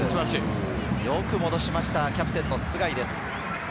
よく戻しました、キャプテン・須貝です。